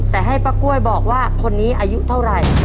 แต่ให้ป้ากล้วยบอกว่าคนนี้อายุเท่าไหร่